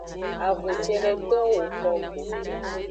Avun cedeto woko go.